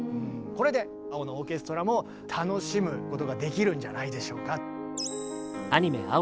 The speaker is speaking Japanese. これで「青のオーケストラ」も楽しむことができるんじゃないでしょうか。